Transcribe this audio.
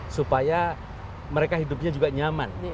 supaya mereka hidupnya juga nyaman